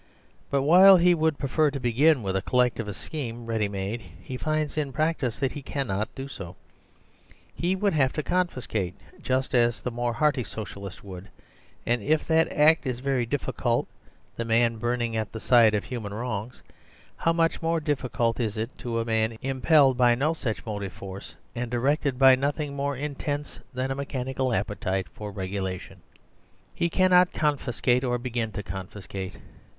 But while he would prefer to begin with a Collectivist scheme ready made, he finds in practice that he can notdoso. Hewould havetoconfiscatejustas themore hearty Socialist would; and if that act is very difficult to the man burning at thesight of human wrongs.how much more difficult is it to a man impelled by no such motive force and directed by nothing more intense than a mechanical appetite for regulation ? He cannot confiscate or begin to confiscate.